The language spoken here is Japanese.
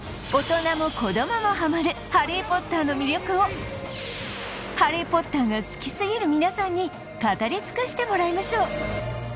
大人も子どももハマるハリー・ポッターの魅力をハリー・ポッターが好きすぎる皆さんに語り尽くしてもらいましょう！